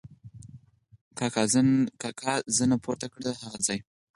کاکا زنه پورته کړه: هغه ځای!